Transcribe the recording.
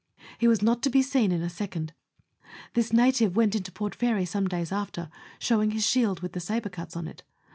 He was not to be seen in a. second. This native went into Port Fairy some days after, showing his shield with the sabre cuts on it.